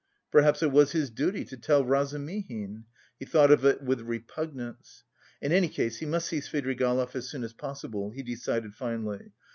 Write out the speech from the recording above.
Perhaps it was his duty to tell Razumihin? He thought of it with repugnance. In any case he must see Svidrigaïlov as soon as possible, he decided finally.